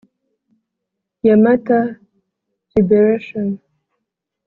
ya mata lib ration